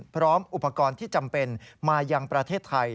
พร้อมอุปกรณ์ที่จำเป็นมายังประเทศไทย